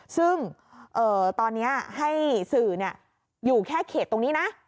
ซึ่งตอนนี้ให้สื่ออยู่แค่เขตตรงนี้นะ